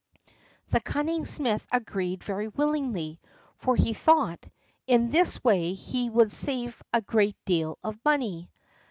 The cunning smith agreed very willingly, for, he thought, in this way he would save a great deal of money.